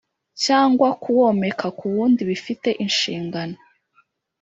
cyangwa kuwomeka ku wundi bifite inshingano